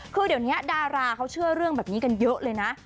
คือเดี๋ยวนี้ดาราเขาเชื่อเรื่องแบบนี้กันเยอะเลยนะ